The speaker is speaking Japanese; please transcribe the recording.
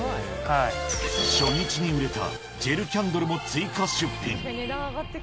初日に売れたジェルキャンドルも追加出品。